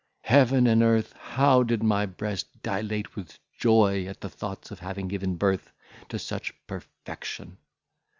Heaven and earth! how did my breast dilate with joy at the thoughts of having given birth to such perfection!